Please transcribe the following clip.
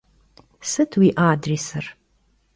Sıt vui adrêsır?